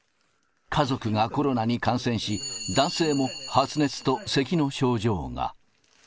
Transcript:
家族がコロナに感染し、男性も発熱とせきの症状が。